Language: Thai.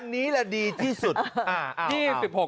อันนี้แหละดีที่สุด